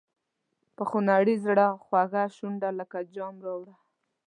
په خونړي زړه خوږه شونډه لکه جام راوړه.